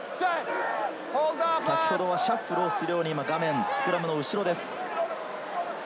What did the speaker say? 先ほどはシャッフルするようにスクラムの後ろです。